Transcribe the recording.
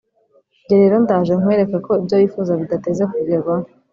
njye rero ndaje nkwereke ko ibyo wifuza bidateze kugerwaho